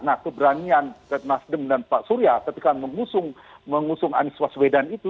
nah keberanian nasdem dan pak surya ketika mengusung anies waswedan itu